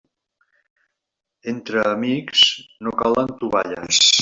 Entre amics, no calen tovalles.